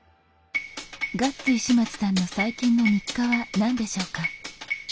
ガッツ石松さんの最近の日課は何でしょうか？